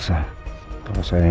gak ada apa apa